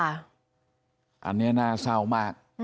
อันนี้น่าเศร้ามาก